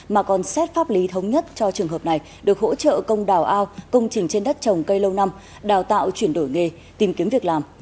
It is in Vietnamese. mà còn xét pháp lý thống nhất cho trường hợp này được hỗ trợ công đào ao công trình trên đất trồng cây lâu năm đào tạo chuyển đổi nghề tìm kiếm việc làm